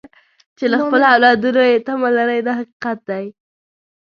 چې له خپلو اولادونو یې تمه لرئ دا حقیقت دی.